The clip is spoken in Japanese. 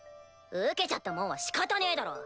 受けちゃったもんはしかたねぇだろ。